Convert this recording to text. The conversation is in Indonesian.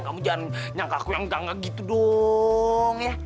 kamu jangan nyangka aku yang enggak enggak gitu dong